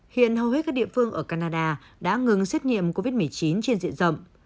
hiện hầu hết các địa phương ở canada đã ngừng xét nghiệm covid một mươi chín trên diện rộng